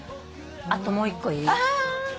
あともう一個いい？